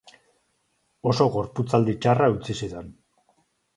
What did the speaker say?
Oso gorputzaldi txarra utzi zidan.